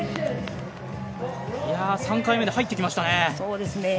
３回目で入ってきましたね。